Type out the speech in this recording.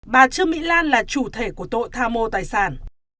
bà trương mỹ lan là chủ thể của tội tham mô tài sản